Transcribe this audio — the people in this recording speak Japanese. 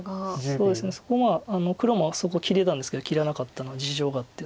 そうですね黒もそこ切れたんですけど切らなかったのは事情があって。